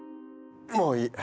もういい！